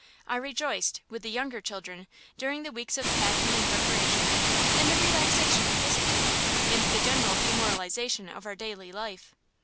I rejoiced, with the younger children, during the weeks of packing and preparation, in the relaxation of discipline and the general demoralization of our daily life.